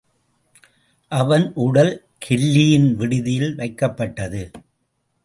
அவன் உடல் கெல்லியின் விடுதியில் வைக்கப்பட்டது.